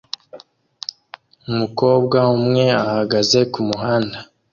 Umukobwa umwe ahagaze kumuhanda